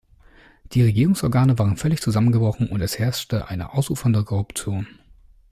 Die Regierungsorgane waren völlig zusammengebrochen und es herrschte eine ausufernde Korruption.